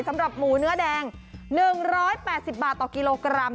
สำหรับหมูเนื้อแดง๑๘๐บาทต่อกิโลกรัม